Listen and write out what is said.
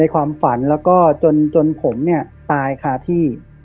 ความฝันแล้วก็จนผมเนี่ยตายคาที่